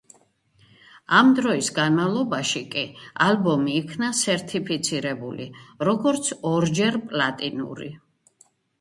ამ დროის განმავლობაში კი ალბომი იქნა სერთიფიცირებული, როგორც ორჯერ პლატინური.